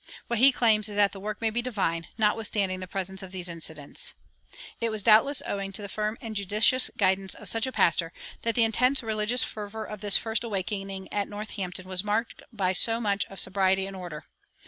What he claims is that the work may be divine, notwithstanding the presence of these incidents.[159:1] It was doubtless owing to the firm and judicious guidance of such a pastor that the intense religious fervor of this first awakening at Northampton was marked by so much of sobriety and order.